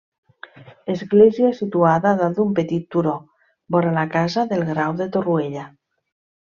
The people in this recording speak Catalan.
Església situada dalt d'un petit turó, vora la casa del Grau de Torroella.